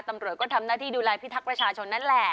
ตำรวจก็ทำหน้าที่ดูแลพิทักษ์ประชาชนนั่นแหละ